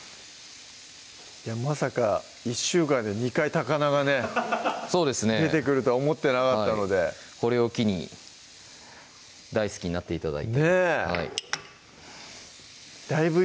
まさか１週間で２回高菜がね出てくるとは思ってなかったのでこれを機に大好きになって頂いてねぇだいぶ